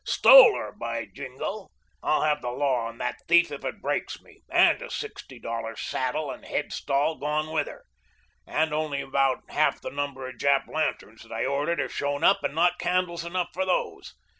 STOLE her, by jingo. I'll have the law on that thief if it breaks me and a sixty dollar saddle 'n' head stall gone with her; and only about half the number of Jap lanterns that I ordered have shown up and not candles enough for those.